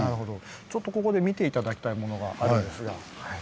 ちょっとここで見て頂きたいものがあるんですが。